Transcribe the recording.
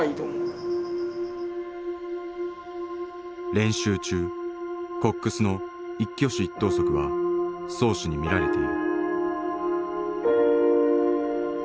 練習中コックスの一挙手一投足は漕手に見られている。